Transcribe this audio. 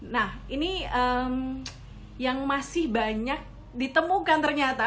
nah ini yang masih banyak ditemukan ternyata